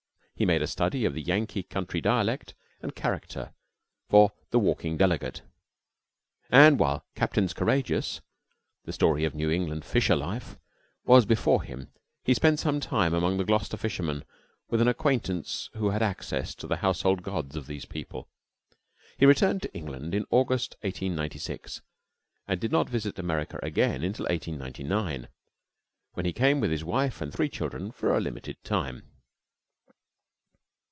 He made a study of the Yankee country dialect and character for "The Walking Delegate," and while "Captains Courageous," the story of New England fisher life, was before him he spent some time among the Gloucester fishermen with an acquaintance who had access to the household gods of these people. He returned to England in August, 1896, and did not visit America again till 1899, when he came with his wife and three children for a limited time.